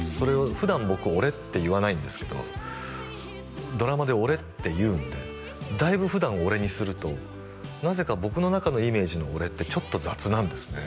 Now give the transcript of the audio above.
普段僕「俺」って言わないんですけどドラマで「俺」って言うんでだいぶ普段「俺」にするとなぜか僕の中のイメージの「俺」ってちょっと雑なんですね